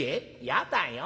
やだよ。